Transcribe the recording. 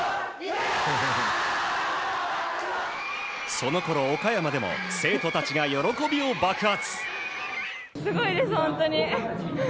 そのころ岡山でも生徒たちが喜びを爆発。